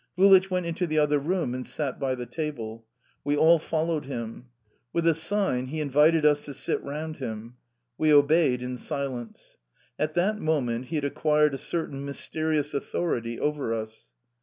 Vulich went into the other room and sat by the table; we all followed him. With a sign he invited us to sit round him. We obeyed in silence at that moment he had acquired a certain mysterious authority over us.